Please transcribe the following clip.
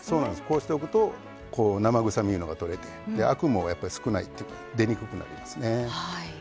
こうしておくと生臭みが取れてアクも少ないっていうか出にくくなりますね。